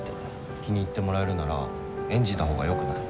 気に入ってもらえるなら演じたほうがよくない？